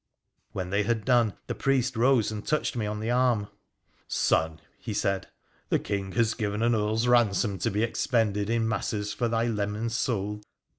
When they had done, the priest rose and touched me on the arm. ' Son,' he said, ' the King has given an earl's ransom to be expended in masses for thy leman's soul.'